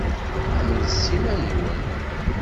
Amnet s yiman-nwen.